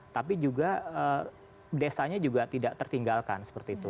tapi juga desanya juga tidak tertinggalkan seperti itu